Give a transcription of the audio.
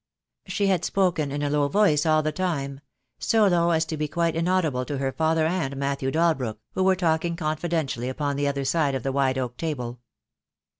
She had spoken in a low voice all the time, so low as to be quite inaudible to her father and Matthew Dal brook, who were talking confidentially upon the other side of the wide oak table.